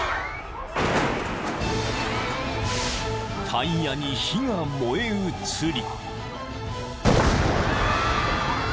［タイヤに火が燃え移り］